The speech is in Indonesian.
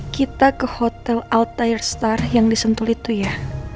kita ke hotel altair star yang disentuh itu ya